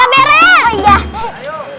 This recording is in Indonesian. ada yang gak beres